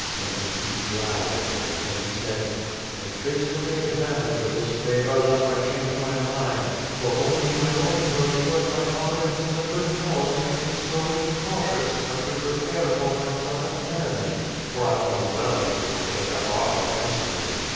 Khmyelnitski's brow wrinkled, and he said: "Make haste to take advantage of this favor lest I change my mind; for only my own virtue and my confidence in the good cause makes me so incautious as to prepare for myself an enemy, for I know well that you will take up arms against me.'"